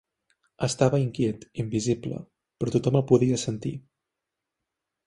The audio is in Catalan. Estava inquiet, invisible, però tothom el podia sentir.